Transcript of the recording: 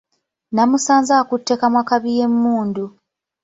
Namusanze akutte kamwakabi ye mmundu.